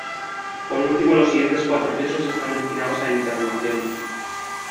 Por último, los siguientes cuatro pisos están destinados a internación.